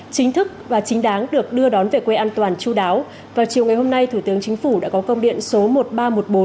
chính thức và chính đáng được đưa đón về quê an toàn chú đáo vào chiều ngày hôm nay thủ tướng chính phủ đã có công điện số một nghìn ba trăm một mươi bốn